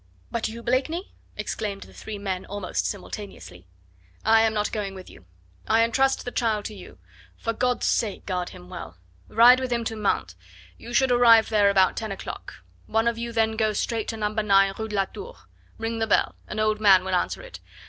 "But you, Blakeney?" exclaimed the three men almost simultaneously. "I am not going with you. I entrust the child to you. For God's sake guard him well! Ride with him to Mantes. You should arrive there at about ten o'clock. One of you then go straight to No.9 Rue la Tour. Ring the bell; an old man will answer it.